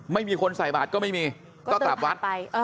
ไม่มีคนใส่บาทก็ไม่มีก็กลับวัดไป